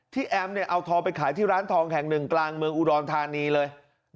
แอมเอาทองไปขายที่ร้านทองแห่งหนึ่งกลางเมืองอุดรธานีเลย